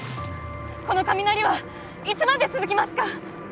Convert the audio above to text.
この雷はいつまで続きますか？